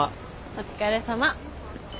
お疲れさま。